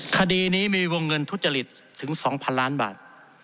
คดีนี้มีวงเงินทุจริตถึง๒๐๐๐ล้านบาท